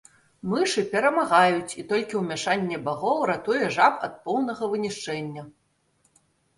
Мышы перамагаюць, і толькі умяшанне багоў ратуе жаб ад поўнага вынішчэння.